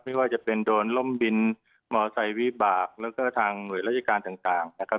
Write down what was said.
ไม่ว่าจะเป็นโดนร่มบินมอไซค์วิบากแล้วก็ทางหน่วยราชการต่างนะครับ